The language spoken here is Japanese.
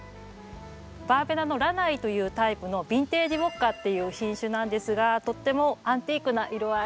バーベナのラナイというタイプのヴィンテージウォッカっていう品種なんですがとってもアンティークな色合い。